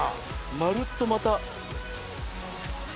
まるっとまた。